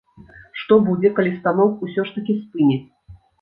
Што будзе, калі станок усё ж такі спыняць?